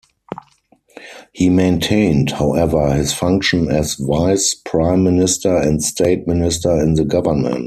He maintained, however, his function as vice prime-minister and State Minister in the government.